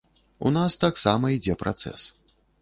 У нас таксама ідзе працэс.